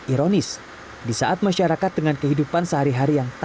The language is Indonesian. ironis di saat masyarakat dengan kehidupan sehari hari yang sama